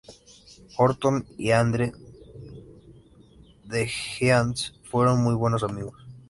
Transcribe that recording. Orton y Andre The Giant fueron muy buenos amigos.